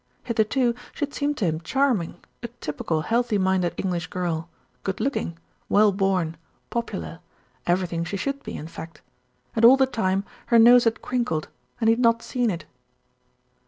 Hitherto she had seemed to him charming, a typical healthy minded English girl, good looking, well born, popular, everything she should be, in fact; and all the time her nose had crinkled and he had not seen it.